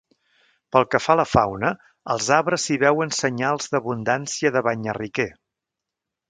Pel que fa a la fauna, als arbres s'hi veuen senyals d'abundància de banyarriquer.